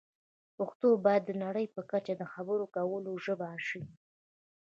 پښتو باید د نړۍ په کچه د خبرو کولو ژبه شي.